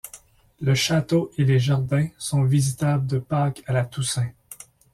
Le château et les jardins sont visitables de Pâques à la Toussaint.